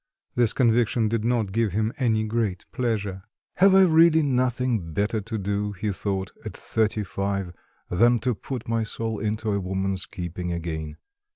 This conviction did not give him ay great pleasure. "Have I really nothing better to do," he thought, "at thirty five than to put my soul into a woman's keeping again?